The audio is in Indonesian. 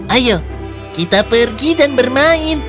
ayo kita pergi dan bermain